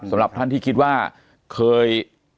สำหรับท่านที่คิดว่าเคย